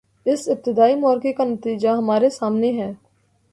اس ابتدائی معرکے کا نتیجہ ہمارے سامنے ہے۔